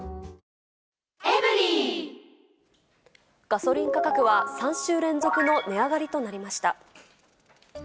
ガソリン価格は３週連続の値上がりとなりました。